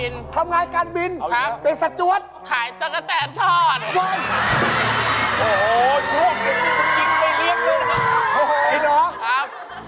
เกี่ยวกับการบินเว้นครับเพื่อนพ่อครับ